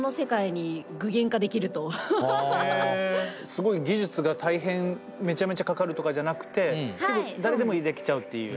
すごい技術が大変めちゃめちゃかかるとかじゃなくて誰でもできちゃうっていう。